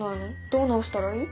どう直したらいい？